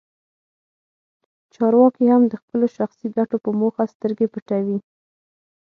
چارواکي هم د خپلو شخصي ګټو په موخه سترګې پټوي.